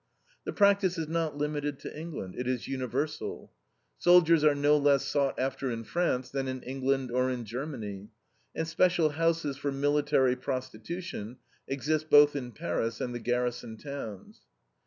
The practice is not limited to England; it is universal. "Soldiers are no less sought after in France than in England or in Germany, and special houses for military prostitution exist both in Paris and the garrison towns."